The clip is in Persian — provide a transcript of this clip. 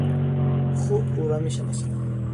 خوب او را میشناسم.